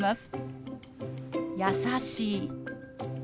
「優しい」。